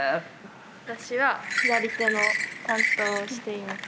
私は左手の担当をしています。